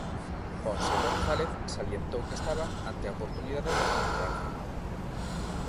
Montse González salientou que estaban "ante a oportunidade de recuperar Ferrol".